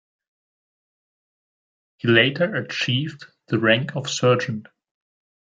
He later achieved the rank of sergeant.